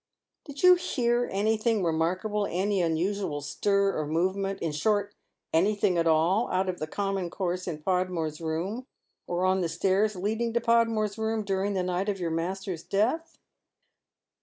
" Did you hear anything remarkable, any unusual stir or move ment, — in short, anjiihing at all out of the common course in Podmore's room or on the stairs leading to Podmore's room during the night of your master's death